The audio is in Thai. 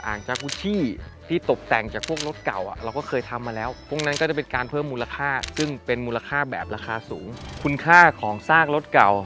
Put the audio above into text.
จากกูชี่ที่ตกแต่งจากพวกรถเก่าเราก็เคยทำมาแล้วพวกนั้นก็จะเป็นการเพิ่มมูลค่าซึ่งเป็นมูลค่าแบบราคาสูงคุณค่าของซากรถเก่า